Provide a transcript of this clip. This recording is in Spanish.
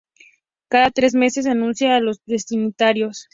Cada tres meses, anuncia a los destinatarios.